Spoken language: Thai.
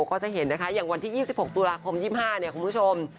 ก็จะเห็นนะคะอย่างวันที่๒๖ตุลาคม๒๕เนี่ยคุณผู้ชม